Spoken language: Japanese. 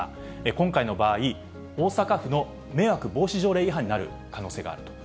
今回の場合、大阪府の迷惑防止条例違反になる可能性があると。